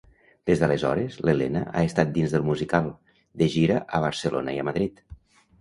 Des d'aleshores, l'Elena ha estat dins del musical, de gira a Barcelona i a Madrid.